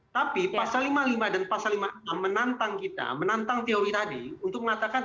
tapi pasal lima puluh lima dan pasal lima puluh enam menantang kita menantang teori tadi untuk mengatakan